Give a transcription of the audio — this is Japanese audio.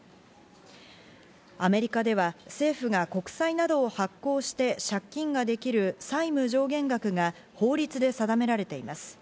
アメリカでは政府が国債などを発行して借金ができる債務上限額が法律で定められています。